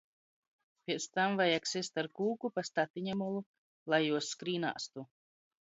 Piec tam vajag sist ar kūku pa statiņa molu, lai juos skrīn āstu.